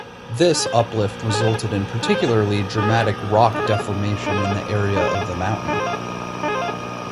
This uplift resulted in particularly dramatic rock deformation in the area of the mountain.